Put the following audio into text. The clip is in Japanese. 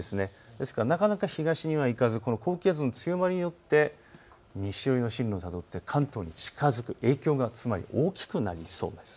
ですから、なかなか東には行かず高気圧の強まりによって西寄りの進路をたどって関東に近づく、影響が、つまり大きくなりそうです。